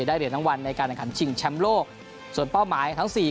ได้เดี๋ยวทั้งวันในการขันชิงแชมโลกส่วนเป้าหมายทั้งสี่